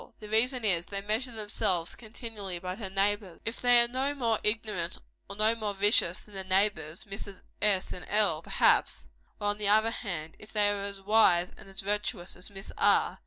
The reason is, they measure themselves, continually, by their neighbors. If they are no more ignorant or no more vicious than their neighbors Misses S. and L., perhaps or on the other hand, if they are as wise and as virtuous as Miss R.